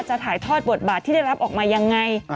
ถ่ายทอดบทบาทที่ได้รับออกมายังไง